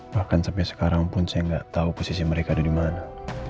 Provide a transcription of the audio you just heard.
bahkan sampai sekarang pun saya nggak tahu posisi mereka ada di mana